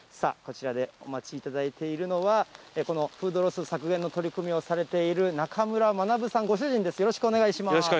こちらでお待ちいただいているのは、このフードロス削減の取り組みをされている仲村学さん、ご主人でよろしくお願いします。